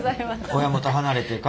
親元離れてか？